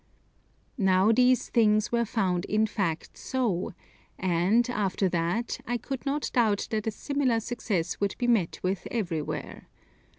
Now these things were found in fact so; and, after that, I could not doubt that a similar success could be met with everywhere.